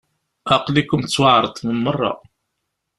Aql-iken tettwaεreḍem merra.